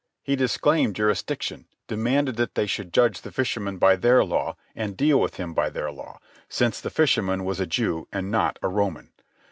He disclaimed jurisdiction, demanded that they should judge the fisherman by their law and deal with him by their law, since the fisherman was a Jew and not a Roman.